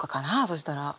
そしたら。